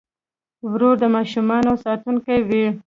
ورور د ماشومانو ساتونکی وي.